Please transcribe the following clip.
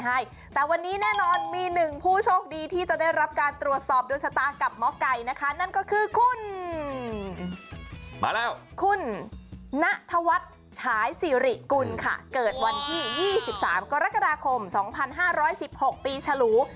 เกิดวันที่๒๓กรกฎาคมสองพันห้าร้อยสิบหกปีฉลู